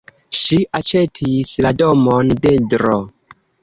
Ŝi aĉetis la domon de Dro.